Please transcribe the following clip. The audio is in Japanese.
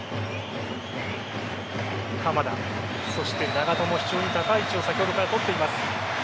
長友、非常に高い位置を先ほどから取っています。